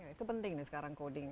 itu penting sekarang coding